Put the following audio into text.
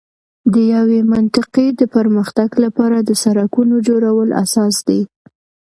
د یوې منطقې د پر مختګ لپاره د سړکونو جوړول اساس دی.